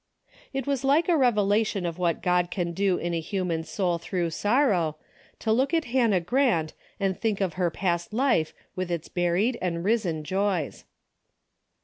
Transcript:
It was like a revelation of what God can do in a human soul through sorrow, to look at Hannah Grant and think of her past life with its buried and risen joys.